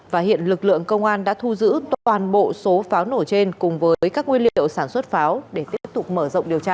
và hiện lực lượng công an đã thu giữ toàn bộ số pháo nổ trên cùng với các nguyên liệu sản xuất pháo để tiếp tục mở rộng điều tra